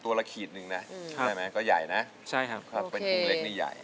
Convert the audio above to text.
ตัวละขีดนึงนะก็ใหญ่นะเป็นตรงเล็กนี่ใหญ่